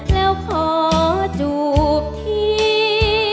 แล้วขอจูบที่